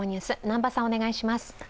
南波さん、お願いします。